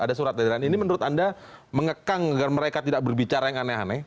ada surat edaran ini menurut anda mengekang agar mereka tidak berbicara yang aneh aneh